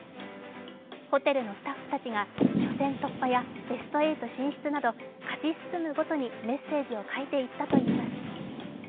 ホテルのスタッフたちが初戦突破やベスト８進出など勝ち進むごとにメッセージを書いていったといいます。